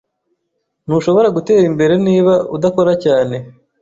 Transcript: Ntushobora gutera imbere niba udakora cyane.